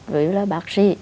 với bác sĩ